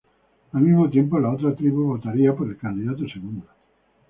Al mismo tiempo, la otra tribu votaría por el candidato segundo.